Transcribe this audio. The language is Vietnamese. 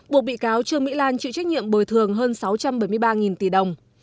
buộc bị cáo trương mỹ lan chịu trách nhiệm bồi thường hơn sáu trăm bảy mươi ba tỷ đồng